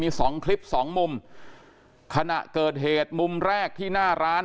มีสองคลิปสองมุมขณะเกิดเหตุมุมแรกที่หน้าร้าน